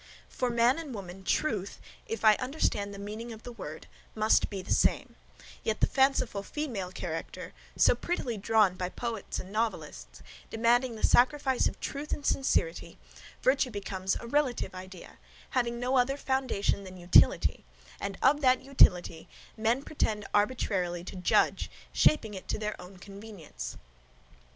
For man and woman, truth, if I understand the meaning of the word, must be the same; yet the fanciful female character, so prettily drawn by poets and novelists, demanding the sacrifice of truth and sincerity, virtue becomes a relative idea, having no other foundation than utility, and of that utility men pretend arbitrarily to judge, shaping it to their own convenience.